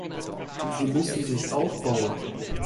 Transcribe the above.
Sie müssen sich aufbauen.